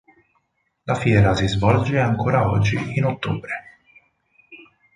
La fiera si svolge ancora oggi in ottobre.